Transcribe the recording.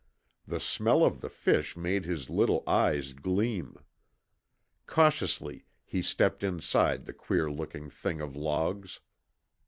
The smell of the fish made his little eyes gleam. Cautiously he stepped inside the queer looking thing of logs.